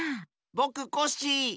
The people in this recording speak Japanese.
ぼくコッシー！